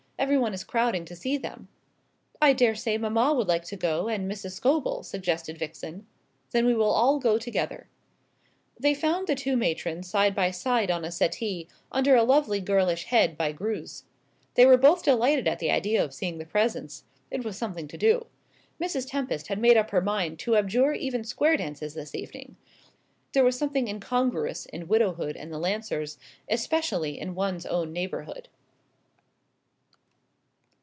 Everybody is crowding to see them." "I daresay mamma would like to go, and Mrs. Scobel," suggested Vixen. "Then we will all go together." They found the two matrons side by side on a settee, under a lovely girlish head by Greuze. They were both delighted at the idea of seeing the presents. It was something to do. Mrs. Tempest had made up her mind to abjure even square dances this evening. There was something incongruous in widowhood and the Lancers; especially in one's own neighbourhood.